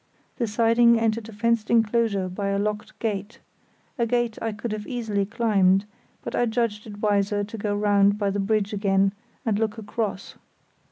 The siding entered a fenced enclosure by a locked gate—a gate I could have easily climbed, but I judged it wiser to go round by the bridge again and look across.